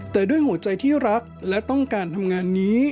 แต่ด้วยหัวใจที่รักและต้องการทำงานนี้